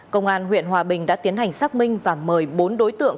công an huyện hòa bình đã tiến hành xác minh và mời bốn đối tượng